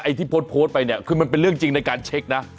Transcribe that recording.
ที่โพสต์โพสต์ไปเนี่ยคือมันเป็นเรื่องจริงในการเช็คนะ